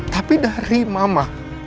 tapi dari mama